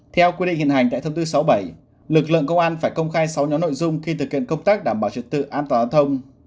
theo quy định hiện hành tại thông tư sáu mươi bảy lực lượng công an phải công khai sáu nhóm nội dung khi thực hiện công tác đảm bảo trực tự an toàn giao thông